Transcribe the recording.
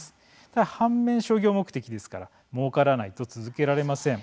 ただ反面、商業目的ですからもうからないと続けられません。